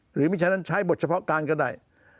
ไม่ใช่นั้นใช้บทเฉพาะการก็ได้